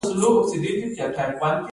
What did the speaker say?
د افغانستان وچې میوې ولې خوندورې دي؟